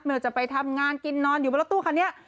ว่าจะไปทำงานกินนอนอยู่บนรถตู้คันนี้